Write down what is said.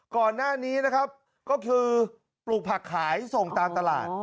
ก่อนหน้านี้นะครับก็คือปลูกผักขายส่งตามตลาด